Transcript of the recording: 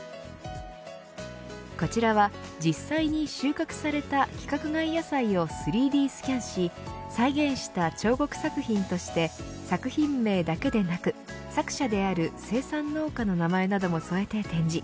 こちらは実際に収穫された規格外野菜を３Ｄスキャンし再現した彫刻作品として作品名だけでなく作者である生産農家の名前なども添えて展示。